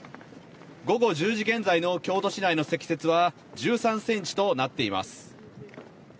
午後１０時現在の京都市内の積雪は１３ｃｍとなっています。